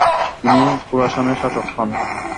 তিনি খোরাসানের শাসক হন।